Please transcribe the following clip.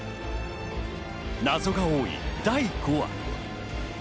謎が多い第５話。